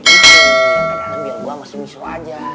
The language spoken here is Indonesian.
kadang kadang biar gua masih miso aja